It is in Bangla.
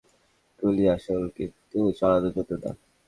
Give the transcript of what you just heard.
গুলি আসল, কিন্তু চালানোর জন্য না।